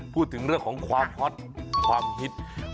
พูดถึงเรื่องของความฮอตความฮิต